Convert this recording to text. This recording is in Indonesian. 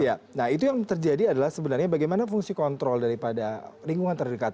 iya nah itu yang terjadi adalah sebenarnya bagaimana fungsi kontrol daripada lingkungan terdekat